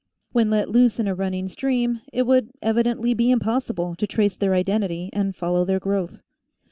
When let loose in a running stream it would evidently be impossible to trace their identity and follow their growth.